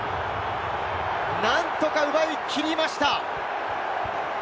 何とか奪い切りました。